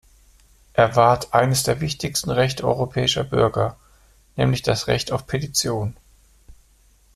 Er wahrt eines der wichtigsten Rechte europäischer Bürger, nämlich das Recht auf Petition.